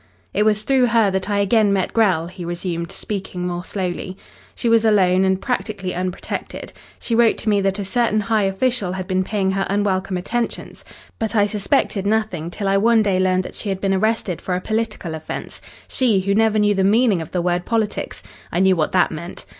"It was through her that I again met Grell," he resumed, speaking more slowly. "She was alone and practically unprotected. She wrote to me that a certain high official had been paying her unwelcome attentions, but I suspected nothing till I one day learned that she had been arrested for a political offence she, who never knew the meaning of the word politics. I knew what that meant....